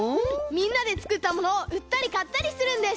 みんなでつくったものをうったりかったりするんです。